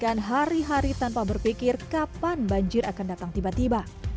makan hari hari tanpa berpikir kapan banjir akan datang tiba tiba